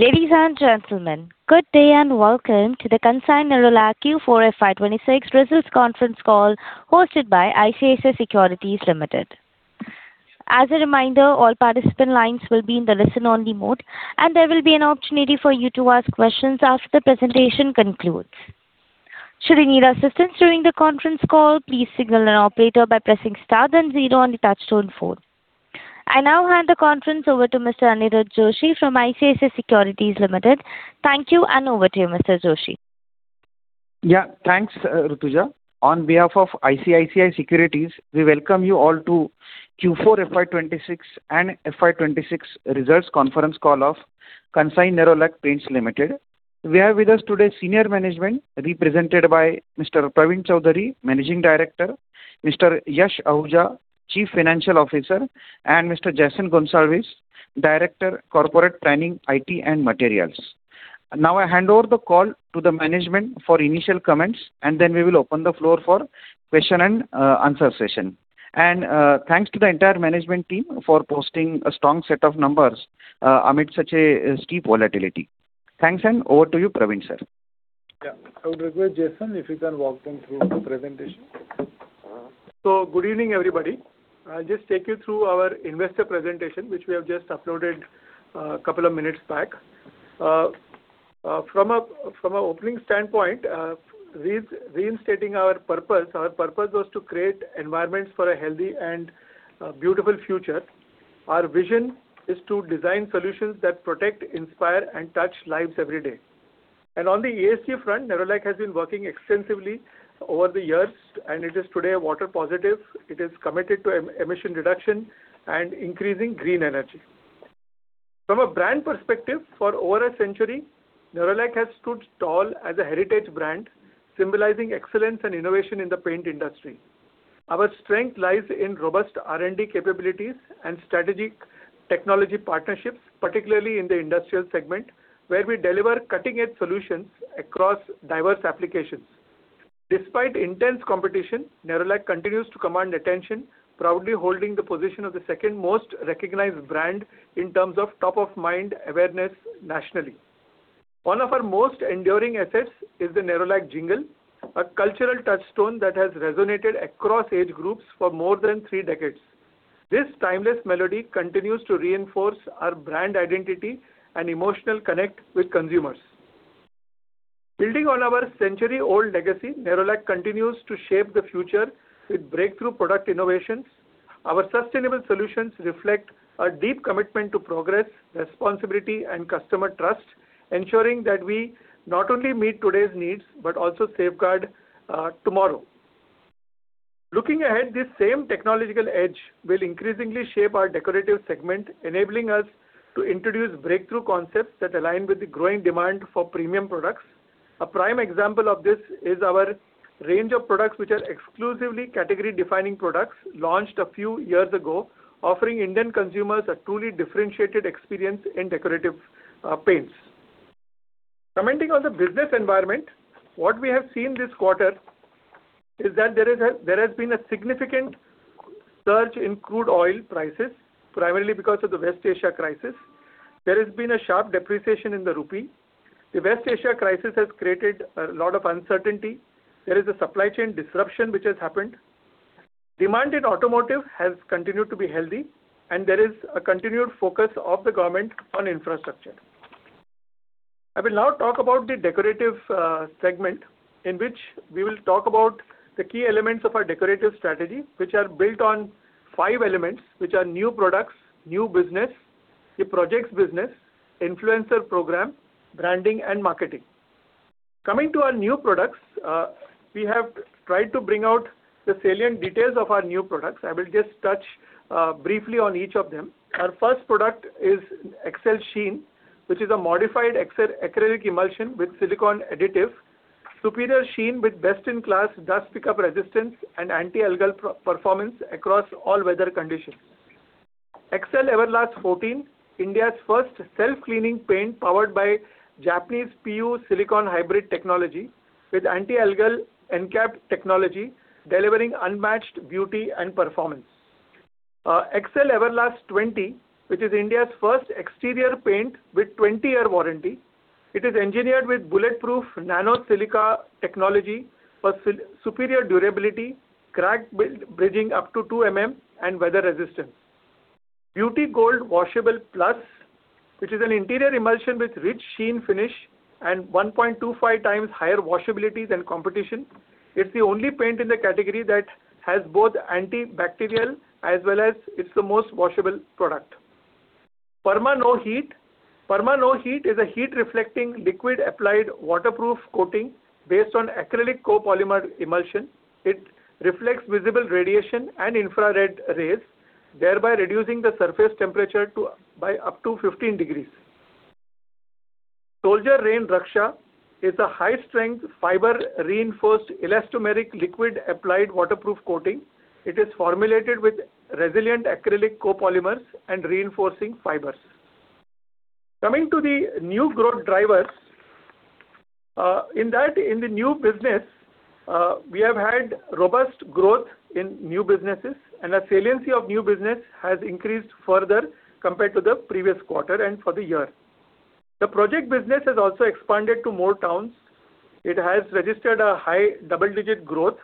Ladies and gentlemen, good day and welcome to the Kansai Nerolac Q4 FY 2026 results conference call hosted by ICICI Securities Limited. As a reminder, all participant lines will be in the listen only mode, and there will be an opportunity for you to ask questions after the presentation concludes. Should you need assistance during the conference call, please signal an operator by pressing star then zero on your touchtone phone. I now hand the conference over to Mr. Aniruddha Joshi from ICICI Securities Limited. Thank you, and over to you, Mr. Joshi. Yeah. Thanks, Rutuja. On behalf of ICICI Securities, we welcome you all to Q4 FY 2026 and FY 2026 results conference call of Kansai Nerolac Paints Limited. We have with us today senior management represented by Mr. Pravin Chaudhari, Managing Director, Mr. Yash Ahuja, Chief Financial Officer, and Mr. Jason Gonsalves, Director Corporate Planning, IT, and Materials. Now, I hand over the call to the management for initial comments, and then we will open the floor for question and answer session. Thanks to the entire management team for posting a strong set of numbers amid such a steep volatility. Thanks, over to you, Pravin, sir. I would request Jason, if you can walk them through the presentation. Good evening, everybody. I'll just take you through our investor presentation, which we have just uploaded a couple of minutes back. From an opening standpoint, reinstating our purpose. Our purpose was to create environments for a healthy and beautiful future. Our vision is to design solutions that protect, inspire, and touch lives every day. On the ESG front, Nerolac has been working extensively over the years, and it is today a water positive. It is committed to emission reduction and increasing green energy. From a brand perspective, for over a century, Nerolac has stood tall as a heritage brand, symbolizing excellence and innovation in the paint industry. Our strength lies in robust R&D capabilities and strategic technology partnerships, particularly in the Industrial segment, where we deliver cutting-edge solutions across diverse applications. Despite intense competition, Nerolac continues to command attention, proudly holding the position of the second most recognized brand in terms of top-of-mind awareness nationally. One of our most enduring assets is the Nerolac jingle, a cultural touchstone that has resonated across age groups for more than three decades. This timeless melody continues to reinforce our brand identity and emotional connect with consumers. Building on our century-old legacy, Nerolac continues to shape the future with breakthrough product innovations. Our sustainable solutions reflect a deep commitment to progress, responsibility, and customer trust, ensuring that we not only meet today's needs, but also safeguard tomorrow. Looking ahead, this same technological edge will increasingly shape our Decorative segment, enabling us to introduce breakthrough concepts that align with the growing demand for premium products. A prime example of this is our range of products which are exclusively category-defining products launched a few years ago, offering Indian consumers a truly differentiated experience in Decorative paints. Commenting on the business environment, what we have seen this quarter is that there has been a significant surge in crude oil prices, primarily because of the West Asia crisis. There has been a sharp depreciation in the rupee. The West Asia crisis has created a lot of uncertainty. There is a supply chain disruption which has happened. Demand in automotive has continued to be healthy. There is a continued focus of the government on infrastructure. I will now talk about the Decorative Segment, in which we will talk about the key elements of our Decorative strategy, which are built on five elements, which are New Products, New Business, the Projects Business, Influencer Program, Branding, and Marketing. Coming to our New Products, we have tried to bring out the salient details of our New Products. I will just touch briefly on each of them. Our first product is Excel Sheen, which is a modified ex-acrylic emulsion with silicone additive. Superior sheen with best-in-class dust pickup resistance and anti-algal performance across all weather conditions. Excel Everlast 14, India's first self-cleaning paint powered by Japanese PU silicone hybrid technology with anti-algal NCAP technology, delivering unmatched beauty and performance. Excel Everlast 20, which is India's first exterior paint with 20-year warranty. It is engineered with bulletproof nano silica technology for superior durability, crack bridging up to 2 mm and weather resistance. Beauty Gold Washable Plus, which is an interior emulsion with rich sheen finish and 1.25x higher washability than competition. It's the only paint in the category that has both antibacterial as well as it's the most washable product. Perma No Heat. Perma No Heat is a heat-reflecting liquid applied waterproof coating based on acrylic copolymer emulsion. It reflects visible radiation and infrared rays, thereby reducing the surface temperature by up to 15 degrees. Soldier Rain Raksha is a high-strength fiber-reinforced elastomeric liquid applied waterproof coating. It is formulated with resilient acrylic copolymers and reinforcing fibers. Coming to the new growth drivers. In that, in the New Business, we have had robust growth in new businesses, and the saliency of New Business has increased further compared to the previous quarter and for the year. The project business has also expanded to more towns. It has registered a high double-digit growth,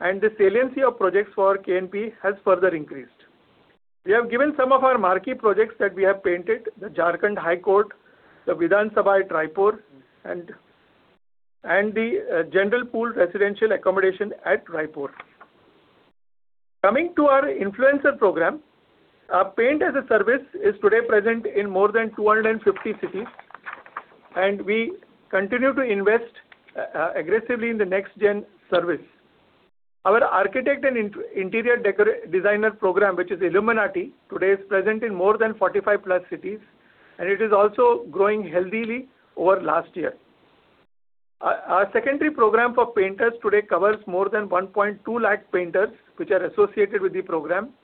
the saliency of projects for KNP has further increased. We have given some of our marquee projects that we have painted, the Jharkhand High Court, the Vidhan Sabha at Raipur, and the general pool residential accommodation at Raipur. Coming to our influencer program, our paint as a service is today present in more than 250 cities, we continue to invest aggressively in the next-gen service. Our architect and interior designer program, which is Illuminati, today is present in more than 45+ cities, and it is also growing healthily over last year. Our secondary program for painters today covers more than 1.2 lakh painters, which are associated with the program,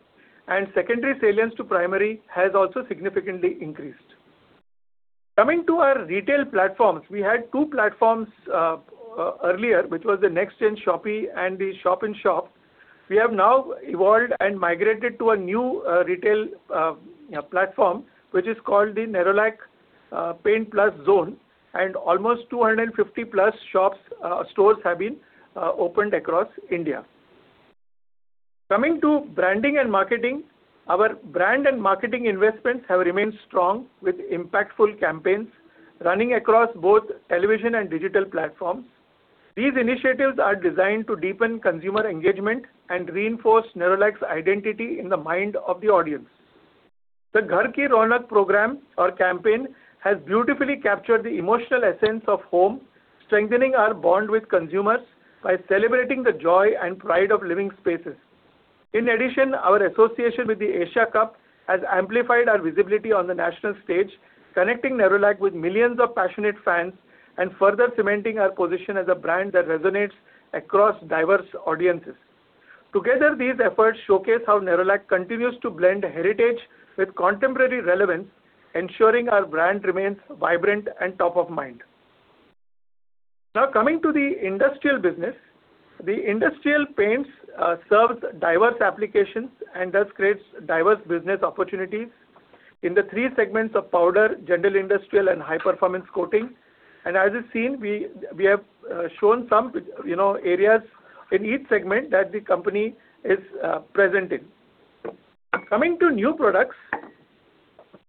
and secondary saliency to primary has also significantly increased. Coming to our retail platforms, we had two platforms earlier, which was the Nxtgen Shoppe and the Shop in Shop. We have now evolved and migrated to a new retail platform, which is called the Nerolac Paint Plus Zone, and almost 250+ shops stores have been opened across India. Coming to Branding and Marketing, our brand and marketing investments have remained strong with impactful campaigns running across both television and digital platforms. These initiatives are designed to deepen consumer engagement and reinforce Nerolac's identity in the mind of the audience. The Ghar Ki Raunak program or campaign has beautifully captured the emotional essence of home, strengthening our bond with consumers by celebrating the joy and pride of living spaces. In addition, our association with the Asia Cup has amplified our visibility on the national stage, connecting Nerolac with millions of passionate fans and further cementing our position as a brand that resonates across diverse audiences. Together, these efforts showcase how Nerolac continues to blend heritage with contemporary relevance, ensuring our brand remains vibrant and top of mind. Now, coming to the Industrial business. The Industrial paints serves diverse applications and thus creates diverse business opportunities in the three segments of powder, general Industrial, and high-performance coating. As you've seen, we have shown some areas in each segment that the company is present in. Coming to New Products,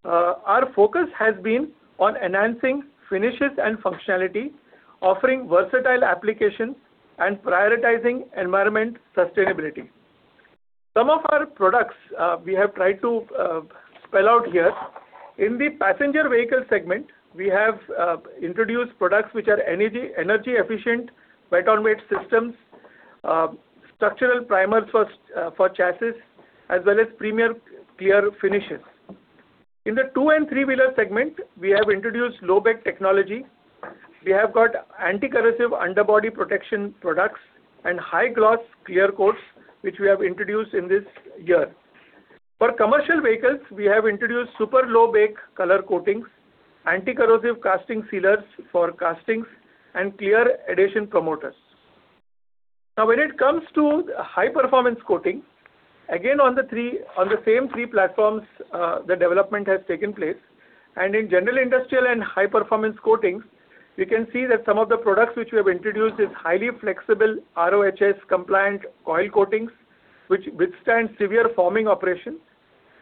our focus has been on enhancing finishes and functionality, offering versatile applications, and prioritizing environment sustainability. Some of our products, we have tried to spell out here. In the passenger vehicle segment, we have introduced products which are energy efficient wet-on-wet systems, structural primers for chassis, as well as premier clear finishes. In the 2 and 3-wheeler segment, we have introduced low-bake technology. We have got anti-corrosive underbody protection products and high gloss clear coats, which we have introduced in this year. For commercial vehicles, we have introduced super low-bake color coatings, anti-corrosive casting sealers for castings, and clear adhesion promoters. When it comes to high-performance coating, again, on the same three platforms, the development has taken place. In general Industrial and high-performance coatings, you can see that some of the products which we have introduced is highly flexible RoHS-compliant coil coatings, which withstand severe forming operations,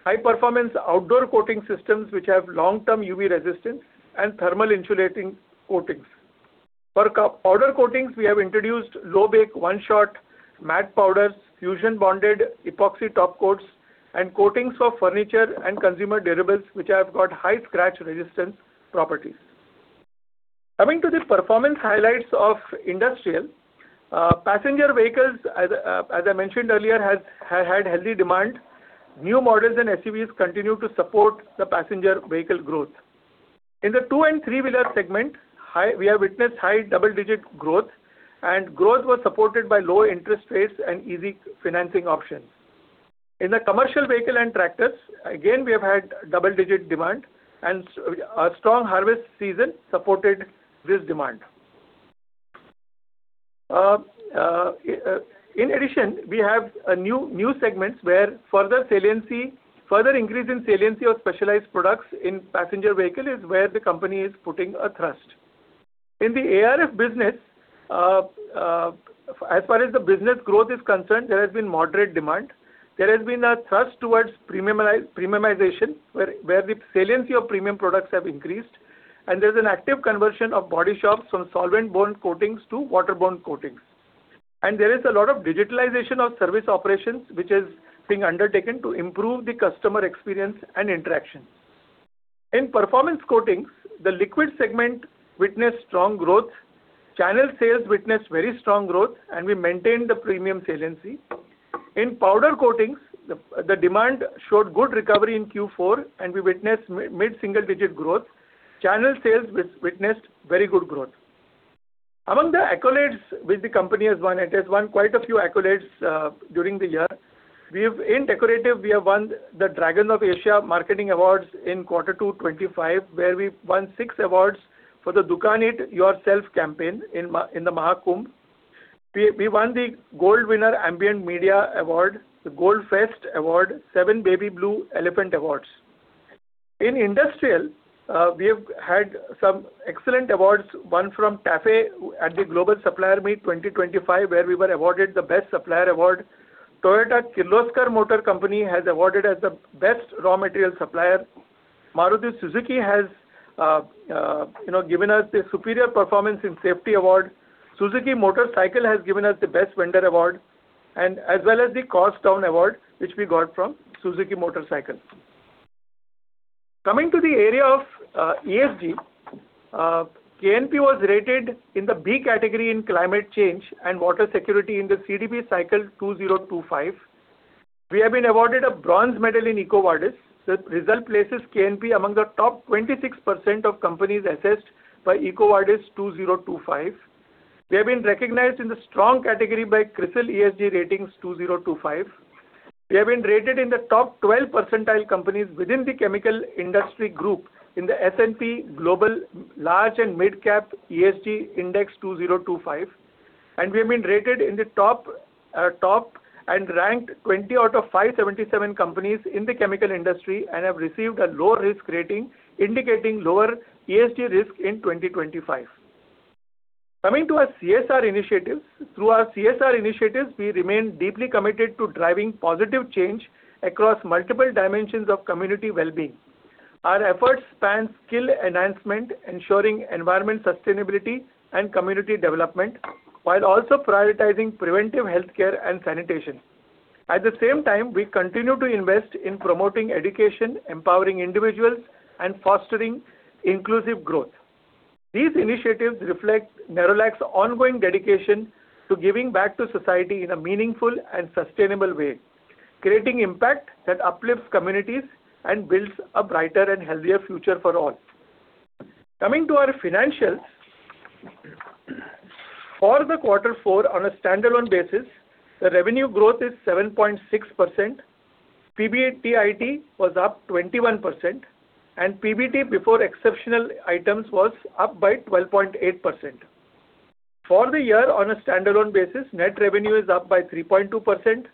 high-performance outdoor coating systems which have long-term UV resistance, and thermal insulating coatings. For powder coatings, we have introduced low-bake 1-shot matte powders, fusion bonded epoxy topcoats, and coatings for furniture and consumer durables, which have got high scratch resistance properties. Coming to the performance highlights of Industrial, passenger vehicles, as I mentioned earlier, has had healthy demand. New models and SUVs continue to support the passenger vehicle growth. In the 2 and 3-wheeler segment, we have witnessed high double-digit growth was supported by low interest rates and easy financing options. In the commercial vehicle and tractors, again, we have had double-digit demand, and a strong harvest season supported this demand. In addition, we have a new segments where further increase in saliency of specialized products in passenger vehicle is where the company is putting a thrust. In the ARF business, as far as the business growth is concerned, there has been moderate demand. There has been a thrust towards premiumization, where the saliency of premium products have increased, and there's an active conversion of body shops from solvent-borne coatings to water-borne coatings. There is a lot of digitalization of service operations, which is being undertaken to improve the customer experience and interaction. In performance coatings, the liquid segment witnessed strong growth. Channel sales witnessed very strong growth, and we maintained the premium saliency. In powder coatings, the demand showed good recovery in Q4, and we witnessed mid-single digit growth. Channel sales witnessed very good growth. Among the accolades which the company has won, it has won quite a few accolades during the year. In Decorative, we have won the Dragons of Asia marketing awards in Q2 2025, where we won six awards for the Dukan It Yourself campaign in the Maha Kumbh. We won the Gold Winner Ambient Media award, the Gold Fest award, seven Baby Blue Elephant awards. In Industrial, we have had some excellent awards, one from TAFE at the Global Supplier Meet 2025, where we were awarded the Best Supplier award. Toyota Kirloskar Motor has awarded us the Best Raw Material Supplier. Maruti Suzuki has, you know, given us the Superior Performance in Safety award. Suzuki Motorcycle has given us the Best Vendor award and as well as the Cost Down award, which we got from Suzuki Motorcycle. Coming to the area of ESG, KNP was rated in the B category in climate change and water security in the CDP cycle 2025. We have been awarded a bronze medal in EcoVadis. The result places KNP among the top 26% of companies assessed by EcoVadis 2025. We have been recognized in the strong category by CRISIL ESG ratings 2025. We have been rated in the top 12 percentile companies within the chemical industry group in the S&P Global Large & Mid Cap ESG Index 2025, and we have been rated in the top and ranked 20 out of 577 companies in the chemical industry and have received a low risk rating, indicating lower ESG risk in 2025. Coming to our CSR initiatives. Through our CSR initiatives, we remain deeply committed to driving positive change across multiple dimensions of community well-being. Our efforts span skill enhancement, ensuring environment sustainability and community development, while also prioritizing preventive healthcare and sanitation. At the same time, we continue to invest in promoting education, empowering individuals, and fostering inclusive growth. These initiatives reflect Nerolac's ongoing dedication to giving back to society in a meaningful and sustainable way, creating impact that uplifts communities and builds a brighter and healthier future for all. Coming to our financials. For the quarter 4 on a standalone basis, the revenue growth is 7.6%, PBIT was up 21%, and PBT before exceptional items was up by 12.8%. For the year on a standalone basis, net revenue is up by 3.2%,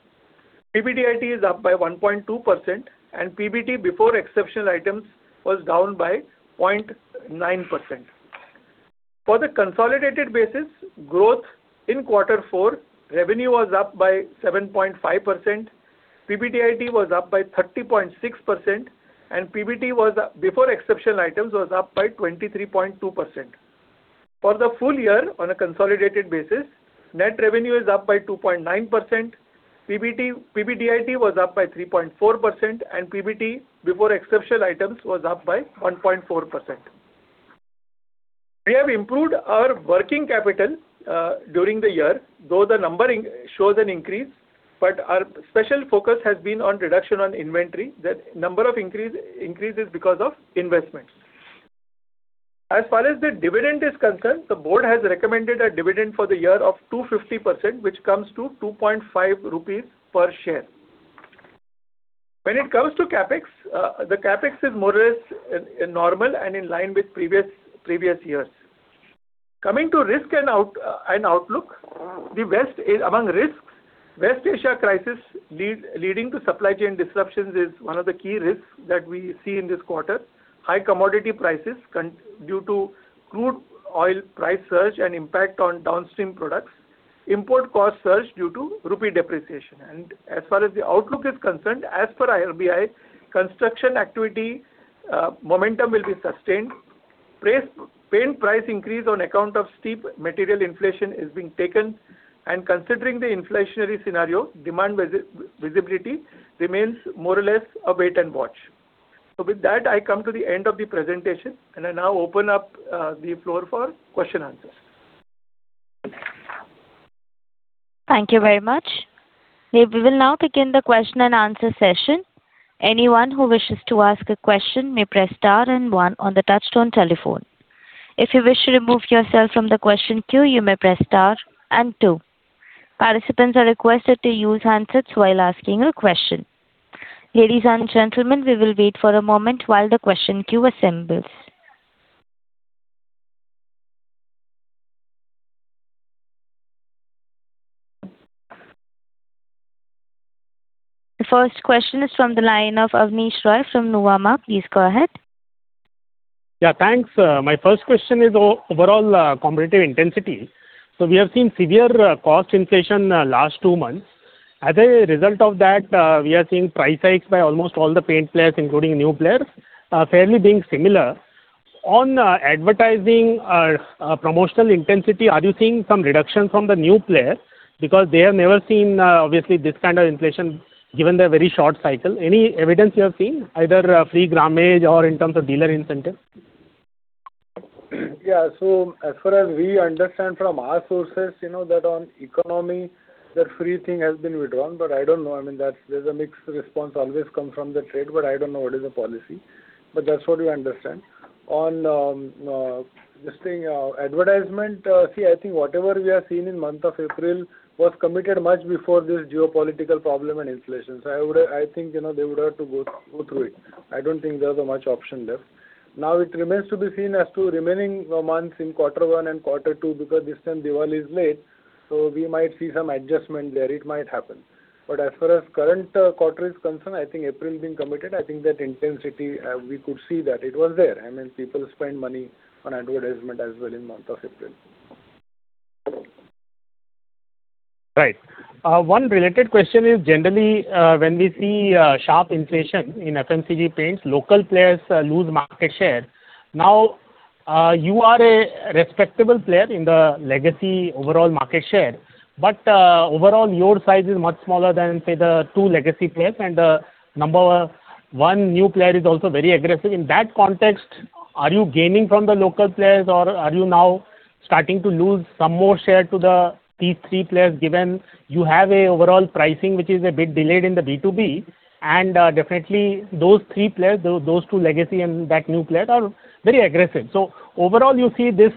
PBDIT is up by 1.2%, and PBT before exceptional items was down by 0.9%. For the consolidated basis growth in quarter 4, revenue was up by 7.5%, PBDIT was up by 30.6%, and PBT before exceptional items was up by 23.2%. For the full year on a consolidated basis, net revenue is up by 2.9%, PBT, PBDIT was up by 3.4%, and PBT before exceptional items was up by 1.4%. We have improved our working capital during the year, though the number shows an increase, but our special focus has been on reduction on inventory. The number of increase is because of investments. As far as the dividend is concerned, the board has recommended a dividend for the year of 250%, which comes to 2.5 rupees per share. When it comes to CapEx, the CapEx is more or less normal and in line with previous years. Coming to risk and outlook, among risks, West Asia crisis leading to supply chain disruptions is one of the key risks that we see in this quarter. High commodity prices due to crude oil price surge and impact on downstream products. Import cost surge due to rupee depreciation. As far as the outlook is concerned, as per RBI, construction activity momentum will be sustained. Paint price increase on account of steep material inflation is being taken and considering the inflationary scenario, demand visibility remains more or less a wait and watch. With that, I come to the end of the presentation, and I now open up the floor for question answers. Thank you very much. We will now begin the question and answer session. Anyone who wishes to ask a question may press star and 1 on the touchtone telephone. If you wish to remove yourself from the question queue, you may press star and 2. Participants are requested to use handsets while asking a question. Ladies and gentlemen, we will wait for a moment while the question queue assembles. The first question is from the line of Abneesh Roy from Nuvama. Please go ahead. Thanks. My first question is overall competitive intensity. We have seen severe cost inflation last two months. As a result of that, we are seeing price hikes by almost all the paint players, including new players, fairly being similar. On advertising or promotional intensity, are you seeing some reduction from the new players? They have never seen obviously this kind of inflation, given their very short cycle. Any evidence you have seen, either free grammage or in terms of dealer incentive? Yeah. As far as we understand from our sources, you know, that on economy, that free thing has been withdrawn. I don't know. I mean, there's a mixed response always comes from the trade, but I don't know what is the policy. That's what we understand. I think whatever we have seen in month of April was committed much before this geopolitical problem and inflation. I would, I think, you know, they would have to go through it. I don't think there's so much option left. It remains to be seen as to remaining months in quarter one and quarter two, because this time Diwali is late, so we might see some adjustment there. It might happen. As far as current quarter is concerned, I think April has been committed. I think that intensity, we could see that it was there. I mean, people spend money on advertisement as well in month of April. Right. One related question is generally, when we see sharp inflation in FMCG paints, local players lose market share. Now, you are a respectable player in the legacy overall market share, but overall your size is much smaller than, say, the two legacy players, and the number one new player is also very aggressive. In that context, are you gaining from the local players or are you now starting to lose some more share to these three players, given you have a overall pricing, which is a bit delayed in the B2B, and definitely those three players, those two legacy and that new player are very aggressive. Overall, you see this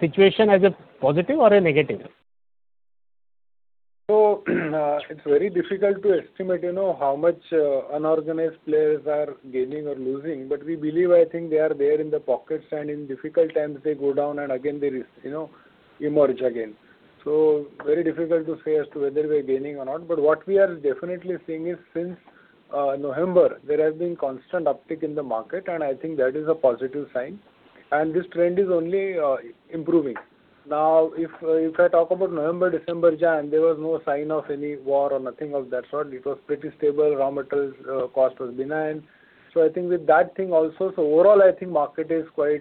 situation as a positive or a negative? It's very difficult to estimate, you know, how much unorganized players are gaining or losing. We believe, I think, they are there in the pockets, and in difficult times they go down and again they emerge again. Very difficult to say as to whether we're gaining or not. What we are definitely seeing is since November, there has been constant uptick in the market, and I think that is a positive sign. This trend is only improving. Now, if I talk about November, December, January, there was no sign of any war or nothing of that sort. It was pretty stable. Raw materials cost was benign. I think with that thing also, so overall I think market is quite,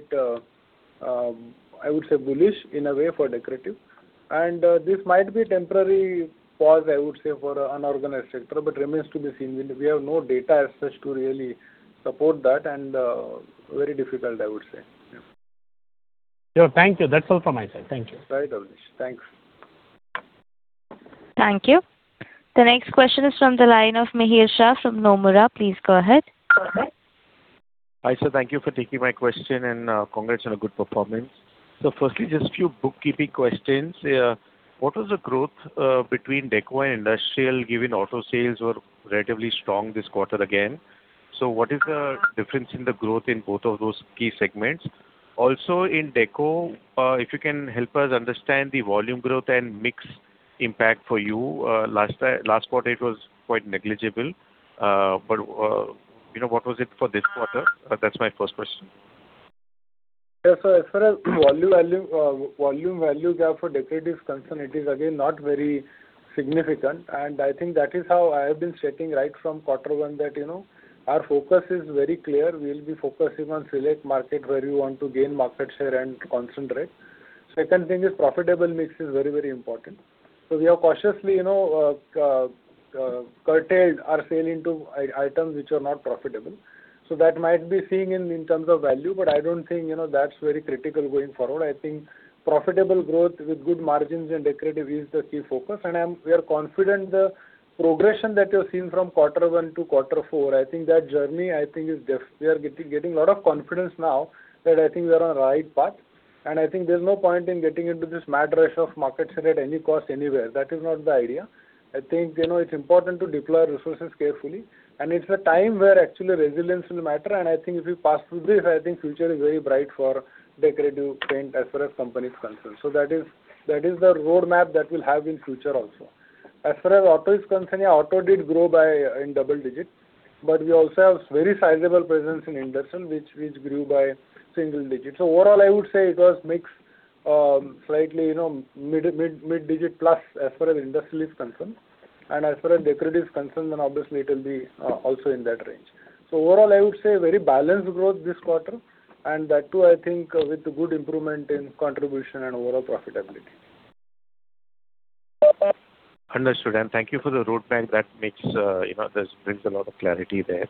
I would say bullish in a way for Decorative. This might be temporary pause, I would say, for unorganized sector, but remains to be seen. We have no data as such to really support that, and, very difficult, I would say. Yeah. Sure. Thank you. That's all from my side. Thank you. Right. Okay. Thanks. Thank you. The next question is from the line of Mihir Shah from Nomura. Please go ahead. Hi, sir. Thank you for taking my question, and congrats on a good performance. Firstly, just few bookkeeping questions. What was the growth between Deco and Industrial, given auto sales were relatively strong this quarter again? What is the difference in the growth in both of those key segments? Also in Deco if you can help us understand the volume growth and mix impact for you. Last quarter it was quite negligible. But, you know, what was it for this quarter? That's my first question. Yeah. As far as volume, value, volume value gap for Decorative is concerned, it is again not very significant. I think that is how I have been stating right from quarter 1 that, you know, our focus is very clear. We'll be focusing on select market where we want to gain market share and concentrate. Second thing is profitable mix is very important. We have cautiously, you know, curtailed our sale into items which are not profitable. That might be seeing in terms of value, but I don't think, you know, that's very critical going forward. I think profitable growth with good margins in Decorative is the key focus. We are confident the progression that you have seen from quarter 1 to quarter 4, I think that journey, I think, is we are getting lot of confidence now that I think we are on right path. I think there's no point in getting into this mad rush of market share at any cost anywhere. That is not the idea. I think, you know, it's important to deploy resources carefully, and it's a time where actually resilience will matter. I think if we pass through this, I think future is very bright for Decorative paint as far as company is concerned. That is the roadmap that we'll have in future also. As far as auto is concerned, yeah, auto did grow by in double digits, but we also have very sizable presence in Industrial which grew by single digits. Overall, I would say it was mix, slightly, you know, mid-digit plus as far as Industrial is concerned. as far as Decorative is concerned, obviously it will be also in that range. overall, I would say very balanced growth this quarter, and that too, I think, with good improvement in contribution and overall profitability. Understood. Thank you for the roadmap that makes, you know, this brings a lot of clarity there.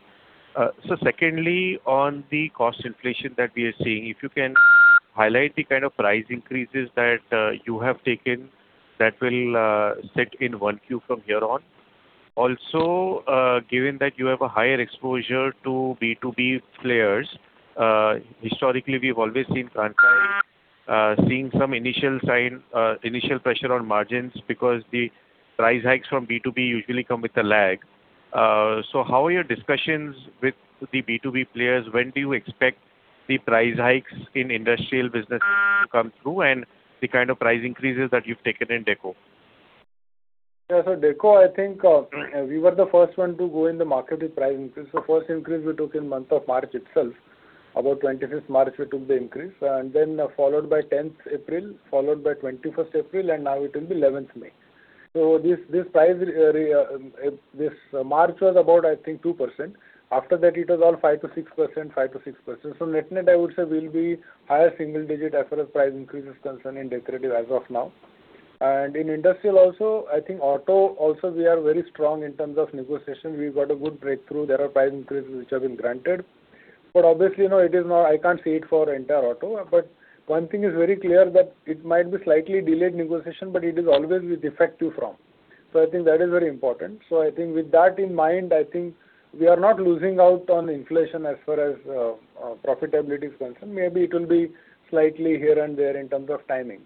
Secondly, on the cost inflation that we are seeing, if you can highlight the kind of price increases that you have taken that will set in one queue from here on. Given that you have a higher exposure to B2B players, historically we've always seen franchise seeing some initial sign, initial pressure on margins because the price hikes from B2B usually come with a lag. How are your discussions with the B2B players? When do you expect the price hikes in Industrial business to come through, and the kind of price increases that you've taken in Deco? Yeah. Deco, I think, we were the 1st one to go in the market with price increase. The 1st increase we took in month of March itself. About 25th March we took the increase, and then followed by 10th April, followed by 21st April, and now it will be 11th May. This price this March was about, I think, 2%. After that it was all 5%-6%. Net net I would say will be higher single-digit as far as price increase is concerned in Decorative as of now. In Industrial also, I think auto also we are very strong in terms of negotiation. We got a good breakthrough. There are price increases which have been granted. Obviously, you know, it is not, I can't say it for entire auto, but one thing is very clear that it might be slightly delayed negotiation, but it is always with effective from. I think that is very important. I think with that in mind, I think we are not losing out on inflation as far as profitability is concerned. Maybe it will be slightly here and there in terms of timing.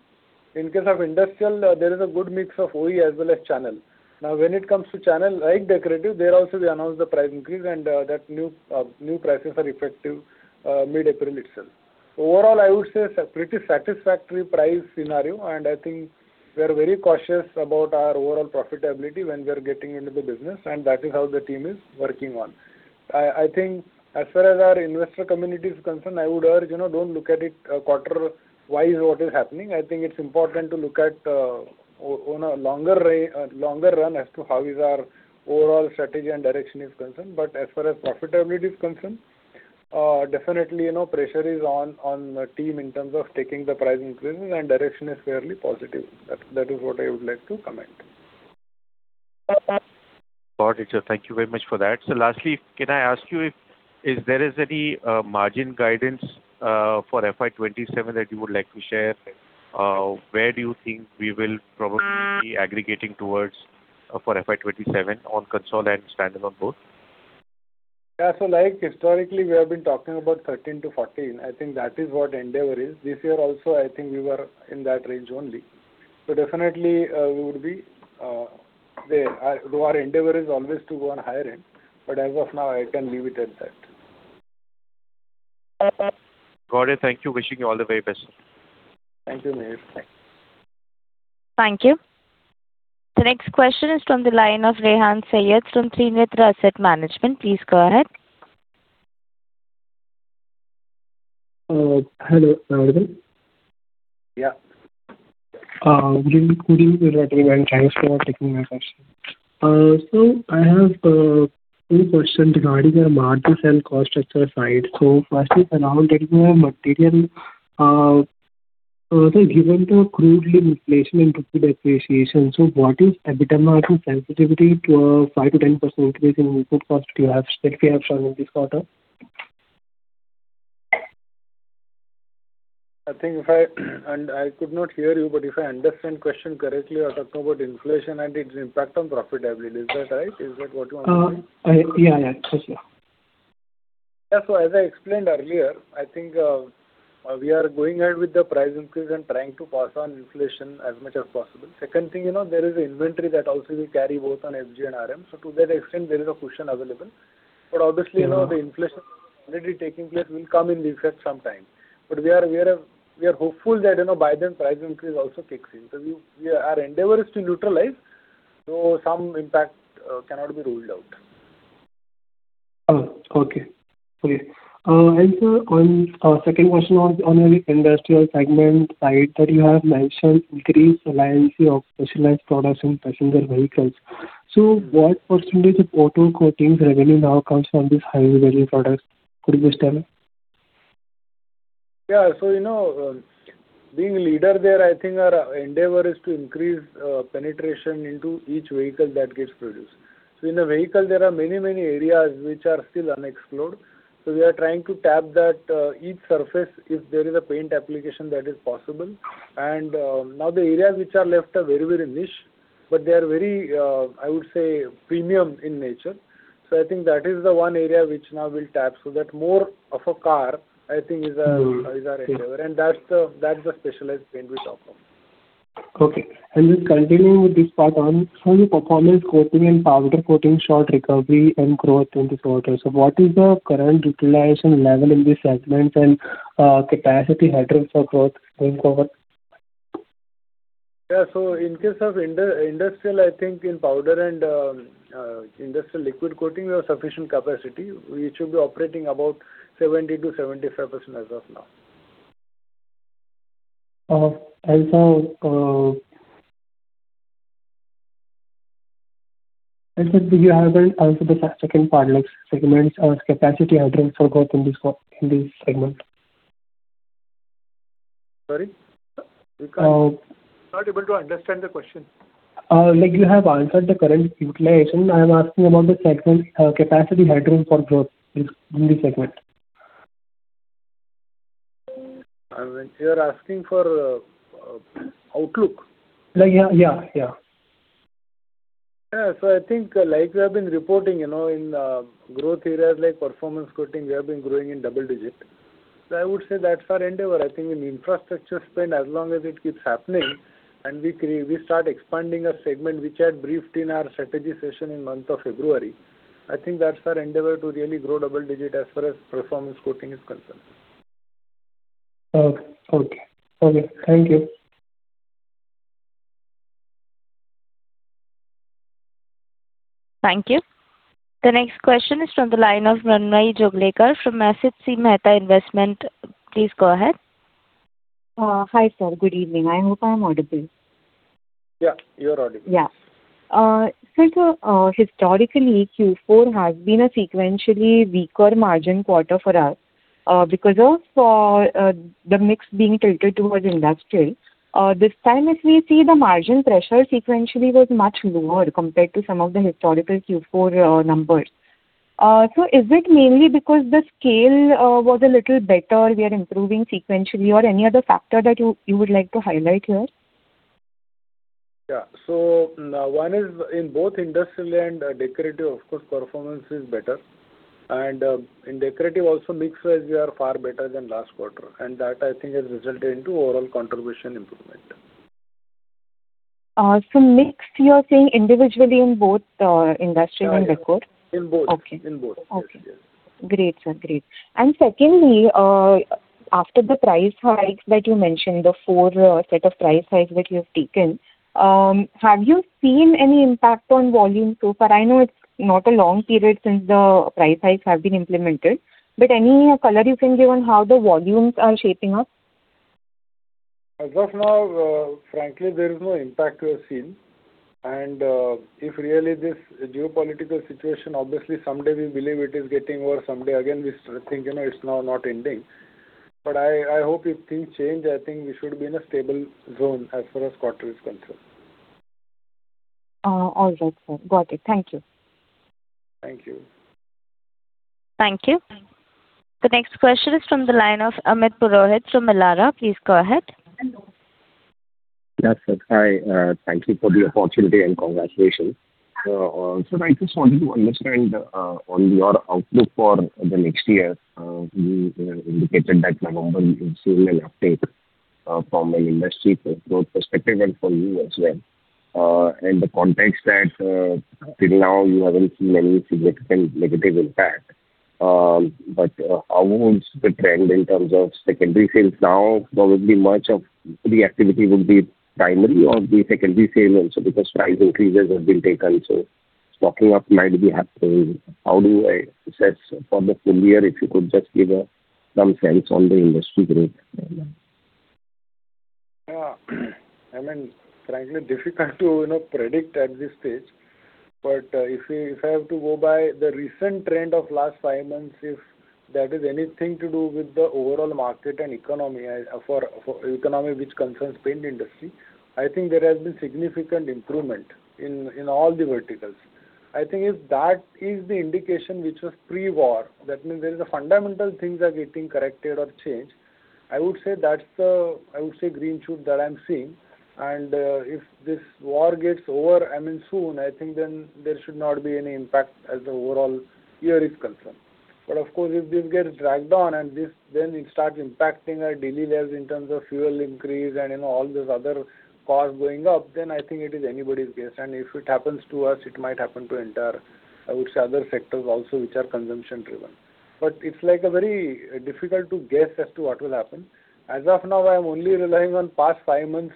In case of Industrial, there is a good mix of OE as well as channel. When it comes to channel, like Decorative, there also we announce the price increase and that new prices are effective mid-April itself. Overall, I would say it's a pretty satisfactory price scenario, and I think we are very cautious about our overall profitability when we are getting into the business, and that is how the team is working on. I think as far as our investor community is concerned, I would urge, you know, don't look at it quarter-wise what is happening. I think it's important to look at on a longer run as to how is our overall strategy and direction is concerned. But as far as profitability is concerned, definitely, you know, pressure is on the team in terms of taking the price increases and direction is fairly positive. That is what I would like to comment. Got it, sir. Thank you very much for that. Lastly, can I ask you if there is any margin guidance for FY 2027 that you would like to share? Where do you think we will probably be aggregating towards for FY 2027 on consol and standalone both? Yeah. Like historically, we have been talking about 13%-14%. I think that is what endeavor is. This year also, I think we were in that range only. Definitely, we would be there. Though our endeavor is always to go on higher end, as of now, I can leave it at that. Got it. Thank you. Wishing you all the very best. Thank you, Mihir. Thanks. Thank you. The next question is from the line of Rehan Syed from Trinetra Asset Managers. Please go ahead. Hello. Audible? Yeah. Good evening to everyone. Thanks for taking my question. So I have two questions regarding the margin and cost structure side. Firstly, around material, given the crude replacement depreciation, what is EBITDA margin sensitivity to a 5%-10% increase in input cost that we have shown in this quarter? I could not hear you, but if I understand question correctly, you're talking about inflation and its impact on profitability. Is that right? Is that what you want to say? Yeah, yeah. That's it. Yeah. As I explained earlier, I think, we are going ahead with the price increase and trying to pass on inflation as much as possible. Second thing, you know, there is inventory that also will carry both on FG and RM. To that extent, there is a cushion available. You know, the inflation already taking place will come in effect sometime. We are hopeful that, you know, by then price increase also kicks in. Our endeavor is to neutralize, though some impact cannot be ruled out. Okay. Great. Sir, on second question on your Industrial segment side that you have mentioned increased reliance of specialized products in passenger vehicles. What percentage of auto coatings revenue now comes from these high-value products? Could you please tell me? Yeah. You know, being leader there, I think our endeavor is to increase penetration into each vehicle that gets produced. In a vehicle, there are many, many areas which are still unexplored. We are trying to tap that, each surface if there is a paint application that is possible. Now the areas which are left are very, very niche, but they are very, I would say premium in nature. I think that is the one area which now we'll tap so that more of a car, I think is our endeavor. That's the specialized paint we talk of. Okay. Just continuing with this part on your performance coating and powder coating showed recovery and growth in this quarter. What is the current utilization level in these segments and capacity headroom for growth going forward? Yeah. In case of Industrial, I think in powder and Industrial liquid coating, we have sufficient capacity. We should be operating about 70%-75% as of now. Sir, could you help answer the second part, like segments, capacity headroom for growth in this segment? Sorry? Uh- Not able to understand the question. Like you have answered the current utilization. I'm asking about the segment capacity headroom for growth in this segment. You're asking for outlook? Like yeah. Yeah. I think, like we have been reporting, you know, in growth areas like performance coating, we have been growing in double digit. I would say that's our endeavor. I think in infrastructure spend, as long as it keeps happening and we start expanding our segment, which I had briefed in our strategy session in month of February. I think that's our endeavor to really grow double digit as far as performance coating is concerned. Okay. Okay. Okay. Thank you. Thank you. The next question is from the line of Mrunmayee Jogalekar from Asit C. Mehta Investment. Please go ahead. Hi, sir. Good evening. I hope I'm audible. Yeah. You are audible. Sir, historically, Q4 has been a sequentially weaker margin quarter for us because of the mix being tilted towards Industrial. This time if we see the margin pressure sequentially was much lower compared to some of the historical Q4 numbers. Is it mainly because the scale was a little better, we are improving sequentially, or any other factor that you would like to highlight here? Yeah. One is in both Industrial and Decorative, of course, performance is better. In Decorative also mix-wise we are far better than last quarter, and that I think has resulted into overall contribution improvement. Mix you are saying individually in both, Industrial and Decor? Yeah, in both. Okay. In both. Yes, yes. Okay. Great, sir, great. Secondly, after the price hikes that you mentioned, the four set of price hikes that you have taken, have you seen any impact on volume so far? I know it's not a long period since the price hikes have been implemented, but any color you can give on how the volumes are shaping up? As of now, frankly, there is no impact we have seen. If really this geopolitical situation, obviously someday we believe it is getting over, someday again we start think, you know, it's now not ending. I hope if things change, I think we should be in a stable zone as far as quarter is concerned. All right, sir. Got it. Thank you. Thank you. Thank you. The next question is from the line of Amit Purohit from Elara. Please go ahead. Hello. Yes, sir. Hi, thank you for the opportunity, and congratulations. I just wanted to understand on your outlook for the next year, you indicated that November you're seeing an uptake from an industry growth perspective and for you as well. In the context that till now you haven't seen any significant negative impact, how would the trend in terms of secondary sales now, probably much of the activity would be primary or the secondary sales also because price increases have been taken, so stocking up might be happening. How do I assess for the full year, if you could just give some sense on the industry growth? Yeah. I mean, frankly, difficult to, you know, predict at this stage. If I have to go by the recent trend of last 5 months, if that is anything to do with the overall market and economy, for economy which concerns paint industry, I think there has been significant improvement in all the verticals. I think if that is the indication which was pre-war, that means there is a fundamental things are getting corrected or changed, I would say that's the green shoot that I'm seeing. If this war gets over, I mean, soon, I think then there should not be any impact as the overall year is concerned. Of course, if this gets dragged on and this then it starts impacting our daily lives in terms of fuel increase and, you know, all those other costs going up, then I think it is anybody's guess. If it happens to us, it might happen to entire, I would say other sectors also which are consumption driven. It's like a very difficult to guess as to what will happen. As of now, I am only relying on past five months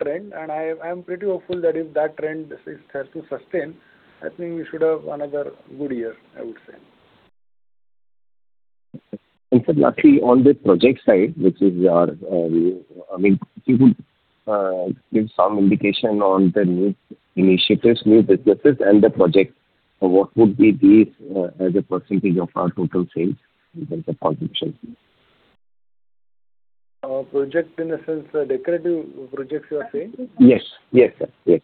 trend, and I'm pretty hopeful that if that trend has to sustain, I think we should have another good year, I would say. Sir, lastly, on the project side, which is your, you I mean, if you could give some indication on the new initiatives, New Businesses and the project, what would be these as a percentage of our total sales in terms of contribution? Project in the sense Decorative projects you are saying? Yes. Yes, sir. Yes.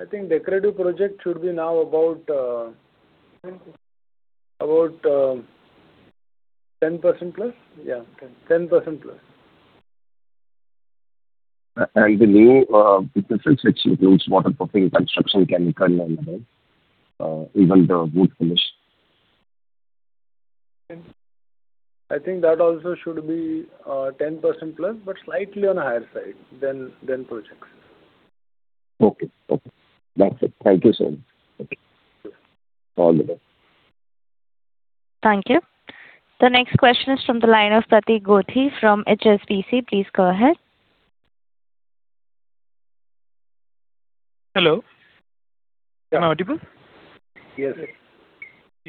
I think Decorative project should be now about 10%+Yeah, 10%+. The New Businesses which includes waterproofing, construction chemical and even the wood finish. I think that also should be, 10% plus, but slightly on a higher side than projects. Okay. Okay. That's it. Thank you, sir. Okay. All the best. Thank you. The next question is from the line of Pratik Gothi from HSBC. Please go ahead. Hello. Am I audible? Yes, sir.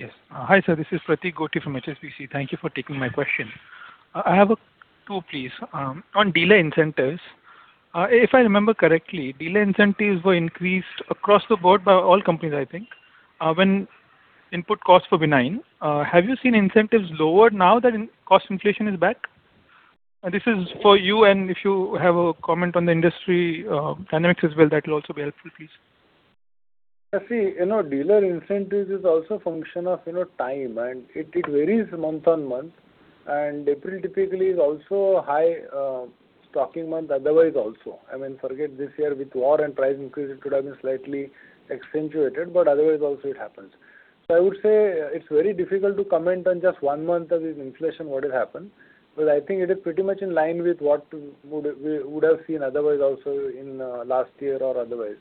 Yes. Hi, sir, this is Pratik Gothi from HSBC. Thank you for taking my question. I have two please. On dealer incentives, if I remember correctly, dealer incentives were increased across the board by all companies, I think, when input costs were benign. Have you seen incentives lowered now that in cost inflation is back? This is for you, and if you have a comment on the industry dynamics as well, that will also be helpful, please. Yeah, see, you know, dealer incentives is also function of, you know, time, it varies month on month. April typically is also a high stocking month otherwise also. I mean, forget this year with war and price increase it could have been slightly accentuated, otherwise also it happens. I would say it's very difficult to comment on just 1 month as if inflation what has happened. I think it is pretty much in line with what we would have seen otherwise also in last year or otherwise.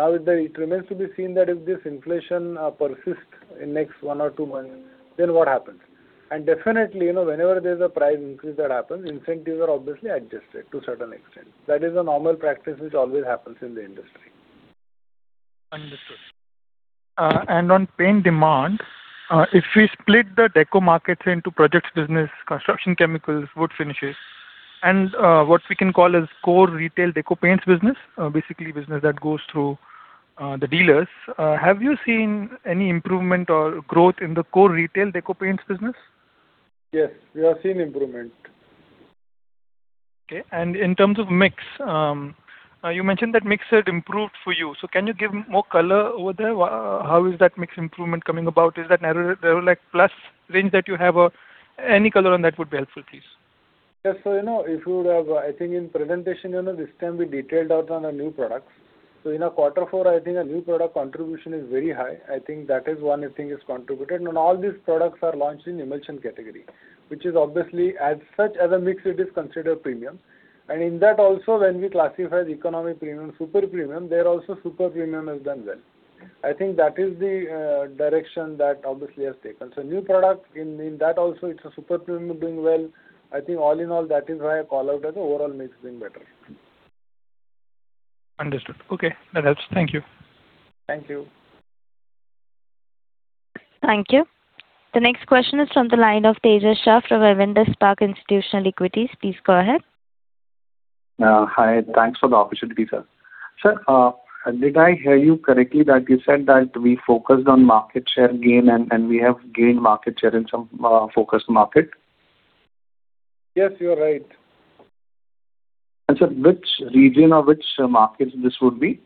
Now, it remains to be seen that if this inflation persist in next 1 or 2 months, what happens? Definitely, you know, whenever there's a price increase that happens, incentives are obviously adjusted to certain extent. That is a normal practice which always happens in the industry. Understood. On paint demand, if we split the deco markets into projects business, construction chemicals, wood finishes, and what we can call as core retail deco paints business, basically business that goes through the dealers, have you seen any improvement or growth in the core retail deco paints business? Yes, we have seen improvement. Okay. In terms of mix, you mentioned that mix had improved for you. Can you give more color over there? How is that mix improvement coming about? Is that Nerolac Plus range that you have or any color on that would be helpful, please. Yes. you know, if you would have, I think in presentation, you know, this can be detailed out on our new products. In our quarter four, I think our new product contribution is very high. I think that is one I think has contributed. All these products are launched in emulsion category, which is obviously as such as a mix it is considered premium. In that also, when we classify the economic premium, super premium, there also super premium has done well. I think that is the direction that obviously has taken. New product in that also it's a super premium doing well. I think all in all, that is why I call out as overall mix being better. Understood. Okay. That helps. Thank you. Thank you. Thank you. The next question is from the line of Tejas Shah from Avendus Spark Institutional Equities. Please go ahead. Hi. Thanks for the opportunity, sir. Sir, did I hear you correctly that you said that we focused on market share gain and we have gained market share in some focused market? Yes, you are right. Sir, which region or which markets this would be?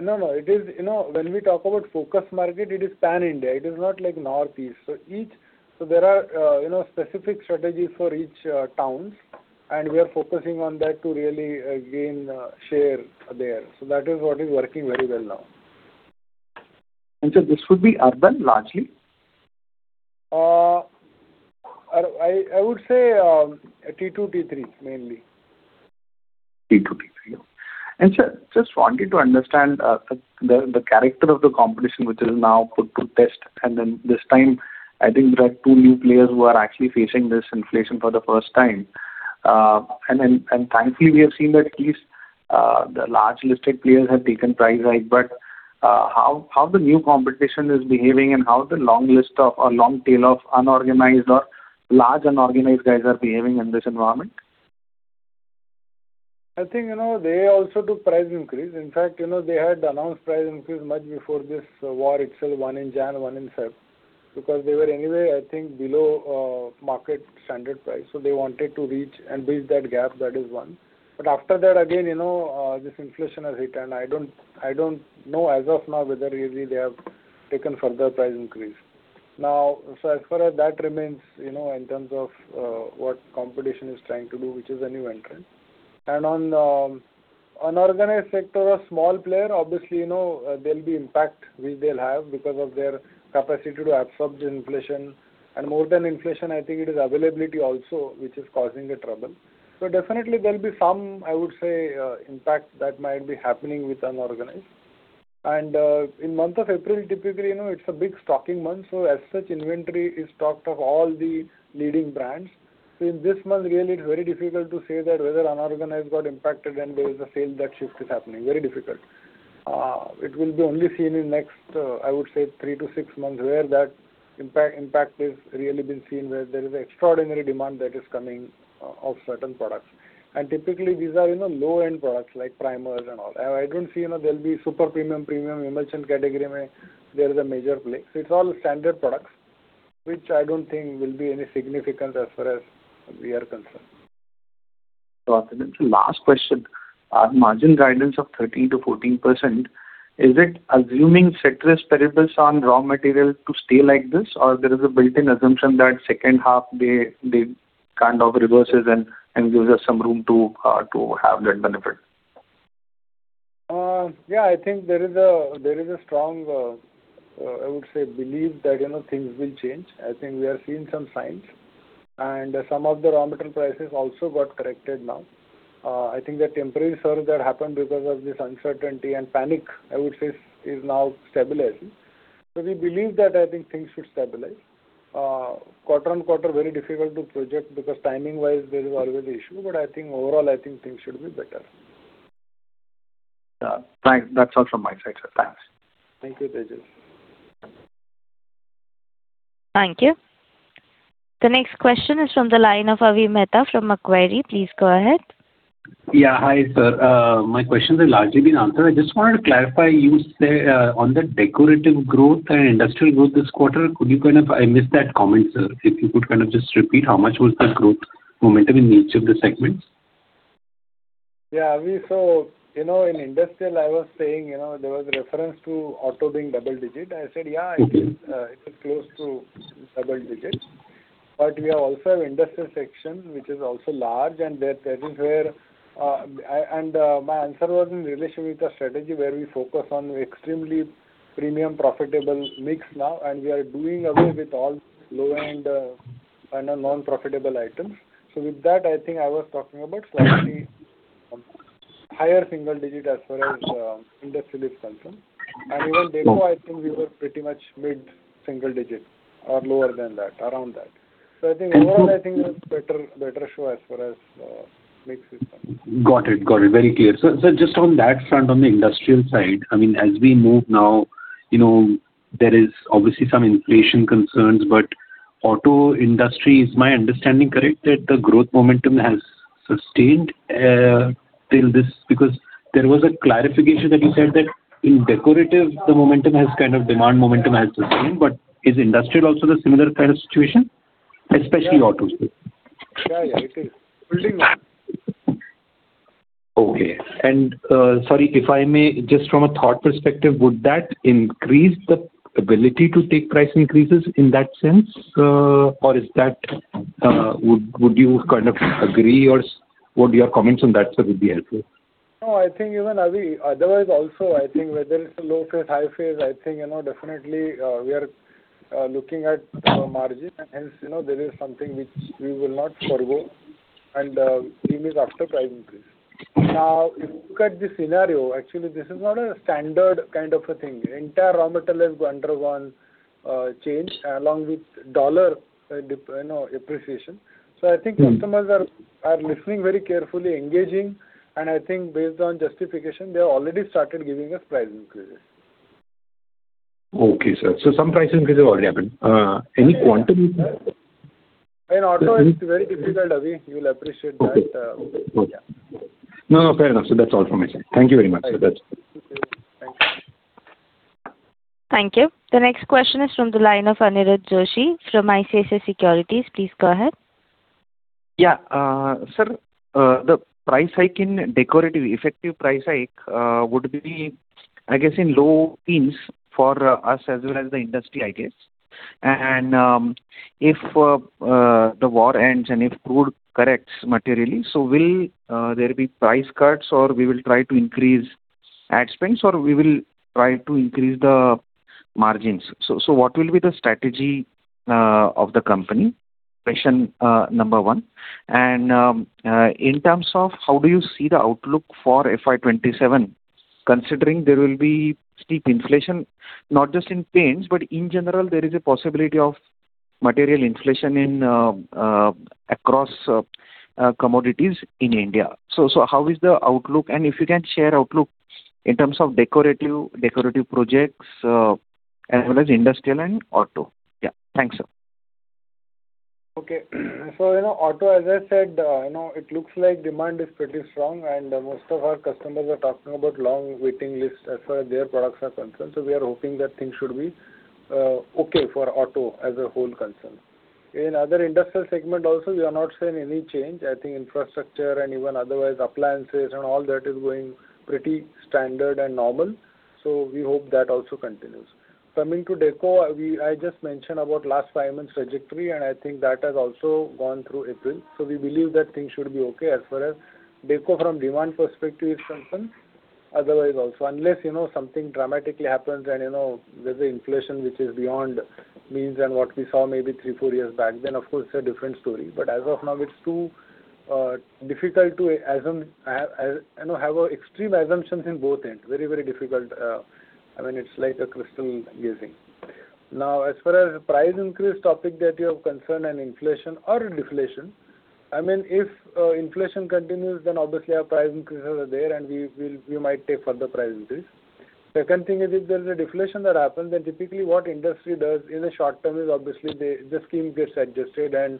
No, it is You know, when we talk about focused market, it is pan-India. It is not like Northeast. There are, you know, specific strategies for each towns, and we are focusing on that to really gain share there. That is what is working very well now. Sir, this would be urban largely? I would say T2, T3 mainly. T2, T3. Yeah. Sir, just wanted to understand the character of the competition which is now put to test. This time, I think there are two new players who are actually facing this inflation for the 1st time. Thankfully we have seen that at least the large listed players have taken price hike. How the new competition is behaving and how the long list of or long tail of unorganized or large unorganized guys are behaving in this environment? I think, you know, they also took price increase. In fact, you know, they had announced price increase much before this war itself, one in January, one in February, because they were anyway I think below market standard price. They wanted to reach and bridge that gap. That is one. After that, again, you know, this inflation has hit and I don't know as of now whether really they have taken further price increase. Now, as far as that remains, you know, in terms of what competition is trying to do, which is a new entrant. On unorganized sector or small player, obviously, you know, there'll be impact which they'll have because of their capacity to absorb the inflation. More than inflation, I think it is availability also which is causing a trouble. Definitely there'll be some, I would say, impact that might be happening with unorganized. In month of April, typically, you know, it's a big stocking month, so as such inventory is stocked of all the leading brands. In this month really it's very difficult to say that whether unorganized got impacted and there is a sale that shift is happening. Very difficult. It will be only seen in next, I would say 3-6 months where that impact is really been seen, where there is extraordinary demand that is coming of certain products. Typically these are, you know, low-end products like primers and all. I don't see, you know, there'll be super premium emulsion category where there is a major play. It's all standard products, which I don't think will be any significant as far as we are concerned. Awesome. Last question. Margin guidance of 13%-14%, is it assuming ceteris paribus on raw material to stay like this, or there is a built-in assumption that second half kind of reverses and gives us some room to have that benefit? Yeah, I think there is a strong, I would say belief that, you know, things will change. I think we are seeing some signs and some of the raw material prices also got corrected now. I think the temporary surge that happened because of this uncertainty and panic, I would say is now stabilizing. We believe that I think things should stabilize. Quarter on quarter very difficult to project because timing-wise there is always an issue, but I think overall I think things should be better. Yeah. That's all from my side, sir. Thanks. Thank you, Tejas. Thank you. The next question is from the line of Avi Mehta from Macquarie. Please go ahead. Hi, sir. My questions have largely been answered. I just wanted to clarify, you said on the Decorative growth and Industrial growth this quarter, could you I missed that comment, sir. If you could just repeat how much was the growth momentum in each of the segments? Yeah. Avi, you know, in Industrial I was saying, you know, there was a reference to auto being double digit. I said, yeah, it is close to double digit. We also have Industrial section which is also large, and there is where, my answer was in relation with the strategy where we focus on extremely premium profitable mix now and we are doing away with all low-end and non-profitable items. With that, I think I was talking about slightly higher single digit as far as Industrial is concerned. Even deco I think we were pretty much mid-single digit or lower than that, around that. I think overall I think a better show as far as mix is concerned. Got it. Got it. Very clear. Just on that front, on the Industrial side, I mean, as we move now, you know, there is obviously some inflation concerns. Auto industry, is my understanding correct that the growth momentum has sustained till this? Because there was a clarification that you said that in Decorative the momentum has kind of demand sustained. Is Industrial also the similar kind of situation, especially autos? Yeah, yeah, it is building up. Okay. Sorry, if I may, just from a thought perspective, would that increase the ability to take price increases in that sense? or is that, would you kind of agree or what are your comments on that, sir, would be helpful? I think even, Avi, otherwise also I think whether it's a low phase, high phase, I think, you know, definitely, we are looking at our margin and hence, you know, there is something which we will not forego and team is after price increase. If you look at the scenario, actually this is not a standard kind of a thing. Entire raw material has undergone change along with dollar, you know, appreciation. I think customers are listening very carefully, engaging, and I think based on justification, they have already started giving us price increases. Okay, sir. Some price increases have already happened. any quantity- In auto it's very difficult, Avi, you'll appreciate that. Yeah. No, no, fair enough. That's all from my side. Thank you very much, sir. That's it. Thank you. Thank you. The next question is from the line of Aniruddha Joshi from ICICI Securities. Please go ahead. Yeah. Sir, the price hike in Decorative, effective price hike, would be I guess in low teens for us as well as the industry, I guess. If the war ends and if crude corrects materially, will there be price cuts or will we try to increase ad spends or will we try to increase the margins? What will be the strategy of the company? Question number 1. In terms of how do you see the outlook for FY27, considering there will be steep inflation, not just in paints, but in general there is a possibility of material inflation across commodities in India. How is the outlook? If you can share outlook in terms of Decorative projects, as well as Industrial and auto. Yeah. Thanks, sir. Okay. you know, auto, as I said, you know, it looks like demand is pretty strong and most of our customers are talking about long waiting lists as far as their products are concerned. We are hoping that things should be okay for auto as a whole concern. In other Industrial segment also we are not seeing any change. I think infrastructure and even otherwise appliances and all that is going pretty standard and normal, we hope that also continues. Coming to deco, I just mentioned about last 5 months trajectory, I think that has also gone through April. We believe that things should be okay as far as deco from demand perspective is concerned. Otherwise also, unless, you know, something dramatically happens and, you know, there's an inflation which is beyond means than what we saw maybe three, four years back, then of course it's a different story. As of now it's too difficult to assume, you know, have extreme assumptions in both ends. Very, very difficult. I mean, it's like a crystal gazing. As far as price increase topic that you have concerned and inflation or deflation, I mean, if inflation continues, then obviously our price increases are there and we might take further price increase. Second thing is if there's a deflation that happens, then typically what industry does in the short term is obviously the scheme gets adjusted and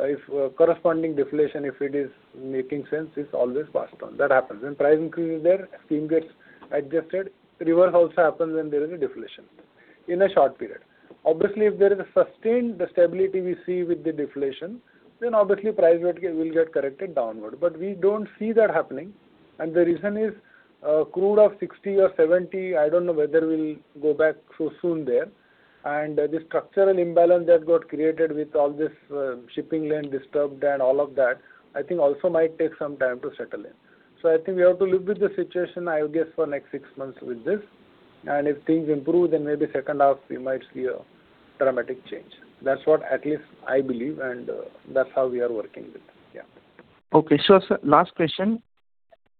if corresponding deflation, if it is making sense, it's always passed on. That happens. When price increase is there, scheme gets adjusted. Reverse also happens when there is a deflation in a short period. Obviously, if there is a sustained stability we see with the deflation, then obviously price will get corrected downward. We don't see that happening, and the reason is, crude of 60 or 70, I don't know whether we'll go back so soon there. The structural imbalance that got created with all this, shipping lane disturbed and all of that, I think also might take some time to settle in. I think we have to live with the situation I would guess for next 6 months with this. If things improve, then maybe second half we might see a dramatic change. That's what at least I believe and, that's how we are working with. Yeah. Okay. Sure, sir. Last question.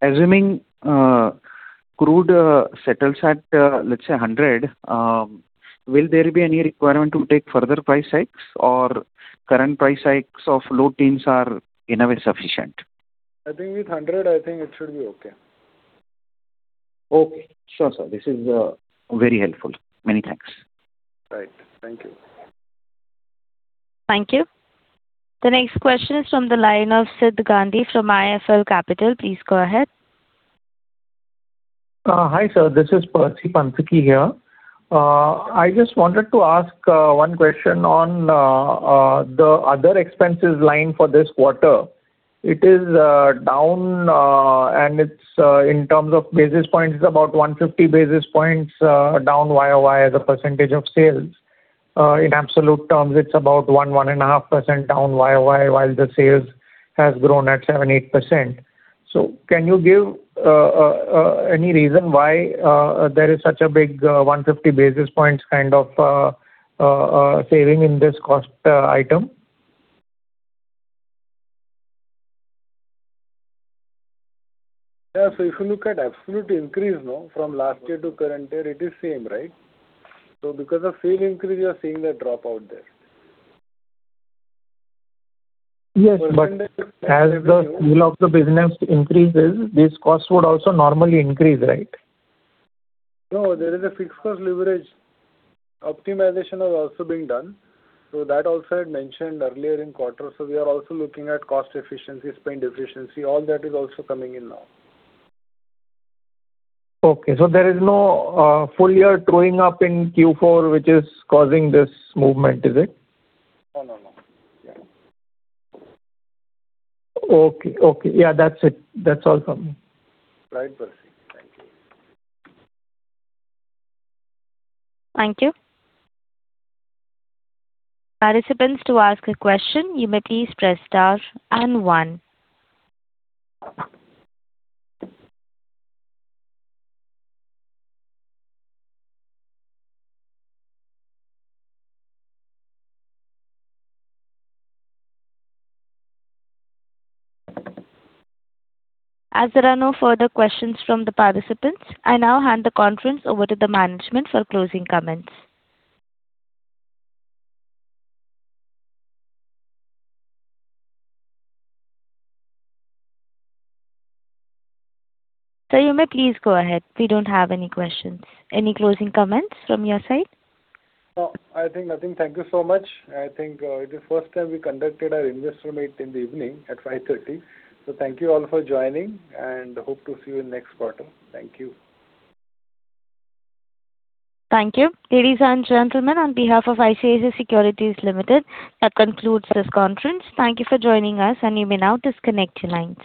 Assuming crude settles at let's say 100, will there be any requirement to take further price hikes or current price hikes of low teens are in a way sufficient? I think with 100, I think it should be okay. Okay. Sure, sir. This is very helpful. Many thanks. Right. Thank you. Thank you. The next question is from the line of Siddh Gandhi from IIFL Capital. Please go ahead. Hi sir, this is Percy Panthaki here. I just wanted to ask one question on the other expenses line for this quarter. It is down, and it is in terms of basis points, it is about 150 basis points down YOY as a percentage of sales. In absolute terms, it is about one and a half percent down YOY while the sales has grown at 7%, 8%. Can you give any reason why there is such a big 150 basis points kind of saving in this cost item? Yeah. If you look at absolute increase, no, from last year to current year, it is same, right? Because of sale increase, you are seeing that drop out there. Yes, as the scale of the business increases, this cost would also normally increase, right? No, there is a fixed cost leverage. Optimization is also being done. That also I had mentioned earlier in quarter. We are also looking at cost efficiency, spend efficiency, all that is also coming in now. Okay. There is no, full year truing up in Q4 which is causing this movement, is it? No, no. Yeah. Okay. Okay. Yeah, that's it. That's all from me. Right, Percy. Thank you. Thank you. Participants, to ask a question, you may please press star and 1. As there are no further questions from the participants, I now hand the conference over to the management for closing comments. Sir, you may please go ahead. We don't have any questions. Any closing comments from your side? No, I think nothing. Thank you so much. I think it is first time we conducted our Investor Meet in the evening at 5:30 P.M. Thank you all for joining and hope to see you in next quarter. Thank you. Thank you. Ladies and gentlemen, on behalf of ICICI Securities Limited, that concludes this conference. Thank you for joining us, and you may now disconnect your lines.